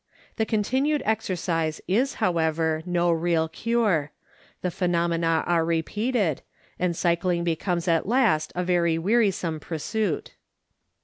The continued exercise is, however, no real cure; the phenomena are repeated, and cycling becomes at last a very weari some pursuit.